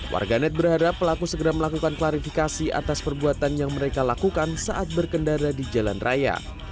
warganet berharap pelaku segera melakukan klarifikasi atas perbuatan yang mereka lakukan saat berkendara di jalan raya